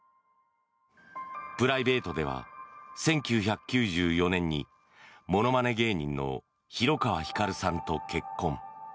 プライベートでは１９９４年にものまね芸人の広川ひかるさんと結婚。